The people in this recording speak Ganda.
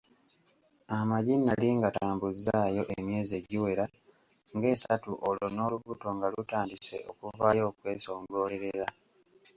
Amagi nali ngatambuzzaayo emyezi egiwera ng'esatu olwo nno n'olubuto nga lutandise okuvaayo okwesongolerera.